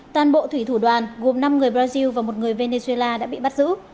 toàn bộ thủy thủ đoàn gồm năm người brazil và một người venezuela đã bị bắt giữ